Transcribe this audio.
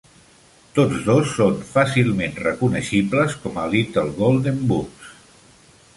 Tots dos són fàcilment reconeixibles com a Little Golden Books.